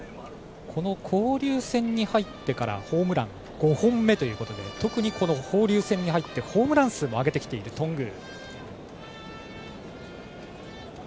この交流戦に入ってからホームラン５本目ということで特に交流戦に入ってホームラン数も上げてきている頓宮。